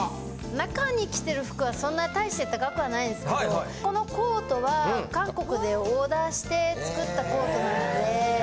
中に着てる服はそんな大して高くはないんですけどこのコートは韓国でオーダーして作ったコートなので。